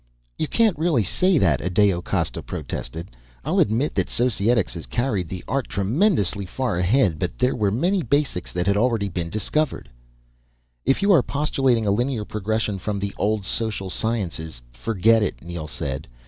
"You can't really say that," Adao Costa protested. "I'll admit that Societics has carried the art tremendously far ahead. But there were many basics that had already been discovered." "If you are postulating a linear progression from the old social sciences forget it," Neel said.